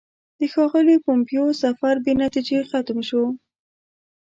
د ښاغلي پومپیو سفر بې نتیجې ختم شو.